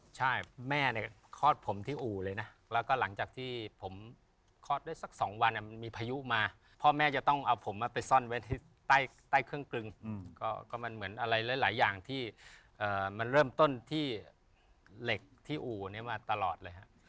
ใช่แม่เนี่ยคลอดผมที่อู่เลยนะแล้วก็หลังจากที่ผมคลอดได้สัก๒วันมันมีพายุมาพ่อแม่จะต้องเอาผมมาไปซ่อนไว้ที่ใต้เครื่องกลึงก็มันเหมือนอะไรหลายอย่างที่มันเริ่มต้นที่เหล็กที่อู่นี้มาตลอดเลยฮะ